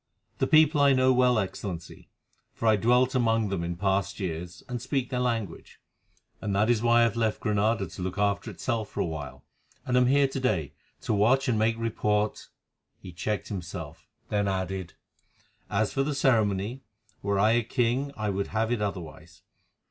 "The people I know well, Excellency, for I dwelt among them in past years and speak their language; and that is why I have left Granada to look after itself for a while, and am here to day, to watch and make report——" He checked himself, then added, "As for the ceremony, were I a king I would have it otherwise.